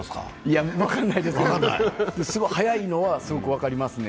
すごい速いのは分かりますね。